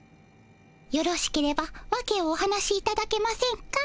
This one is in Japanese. よろしければワケをお話しいただけませんか？